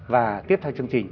và tiếp theo chương trình